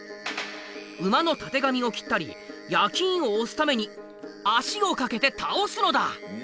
馬のタテガミを切ったり焼き印を押すために足を掛けて倒すのだ。